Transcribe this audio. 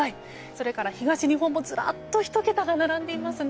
それから東日本もずらっと１桁が並んでいます。